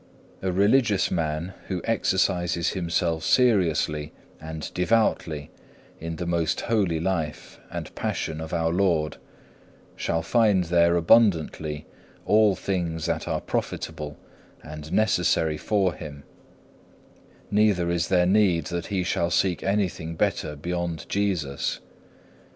A religious man who exercises himself seriously and devoutly in the most holy life and passion of our Lord shall find there abundantly all things that are profitable and necessary for him, neither is there need that he shall seek anything better beyond Jesus.